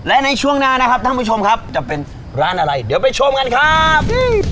และในช่วงหน้านะครับท่านผู้ชมครับจะเป็นร้านอะไรเดี๋ยวไปชมกันครับ